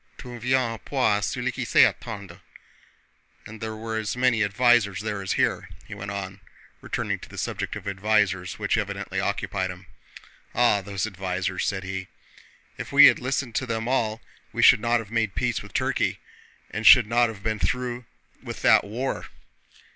Tout vient à point à celui qui sait attendre. * And there were as many advisers there as here..." he went on, returning to the subject of "advisers" which evidently occupied him. "Ah, those advisers!" said he. "If we had listened to them all we should not have made peace with Turkey and should not have been through with that war.